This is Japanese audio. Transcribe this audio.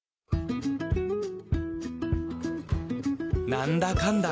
なんだかんだ